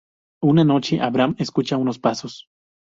Una noche, Abraham escucha unos pasos.